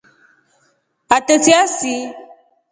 Ate siasii.